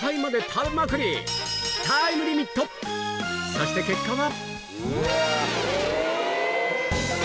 そして結果は？